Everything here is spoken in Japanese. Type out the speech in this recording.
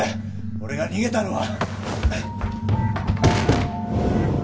俺が逃げたのは。